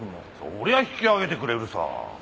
そりゃ引き上げてくれるさ。